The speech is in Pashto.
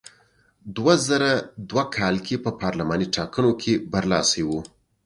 دوه زره دوه کال کې په پارلماني ټاکنو کې برلاسی و.